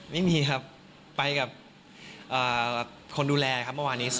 ไม่มีครับไปกับคนดูแลครับเมื่อวานนี้